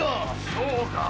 そうか。